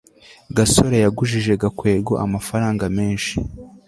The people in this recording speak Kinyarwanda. gasore yagujije gakwego amafaranga menshi